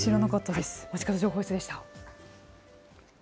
まちかど情報室でした。